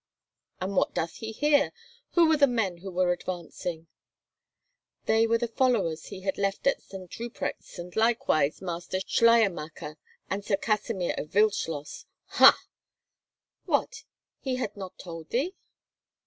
"And what doth he here? Who were the men who were advancing?" "They were the followers he had left at St. Ruprecht's, and likewise Master Schleiermacher and Sir Kasimir of Wildschloss." "Ha!" "What—he had not told thee?"